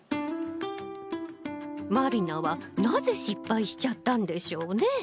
満里奈はなぜ失敗しちゃったんでしょうね。